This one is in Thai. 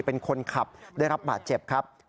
เป็นคนขับได้รับบาดเจ็บครับ